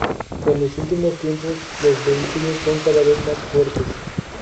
En los últimos tiempos los vínculos son cada vez más fuertes.